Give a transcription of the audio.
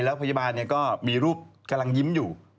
แล้วพยาบาลก็มีรูปกำลังยิ้มอยู่